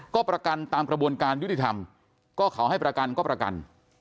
ก็ประกันตามกระบวนการยุติธรรมก็เขาให้ประกันก็ประกัน